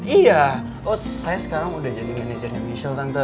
iya oh saya sekarang udah jadi manajernya michelle tante